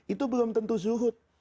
itu belum tentu zuhur